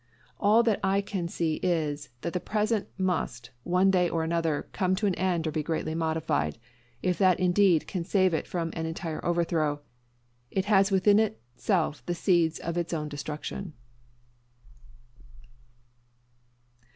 All that I can see is, that the present must, one day or another, come to an end or be greatly modified if that indeed can save it from an entire overthrow. It has within itself the seeds of its own destruction.